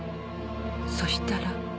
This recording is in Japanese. そしたら。